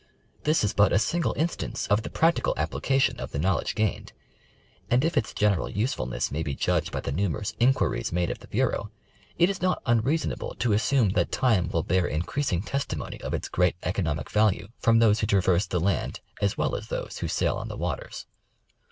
This is but a single instance of the practical application of the knowledge gained ; and if its general usefulness may be judged by the numerous inquiries made of the Bureau, it is not unreason able to assume that time will bear increasing testimony of its great economic value from those who traverse the land, as well as those who sail on the waters.